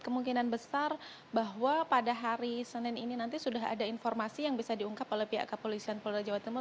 kemungkinan besar bahwa pada hari senin ini nanti sudah ada informasi yang bisa diungkap oleh pihak kepolisian polda jawa timur